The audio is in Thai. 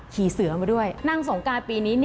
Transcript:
ขี่เสื้อมาด้วยนางสงกรานปีนี้